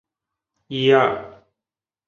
古特内克是德国巴伐利亚州的一个市镇。